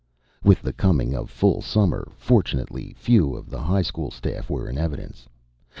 With the coming of full summer, fortunately, few of the high school staff were in evidence.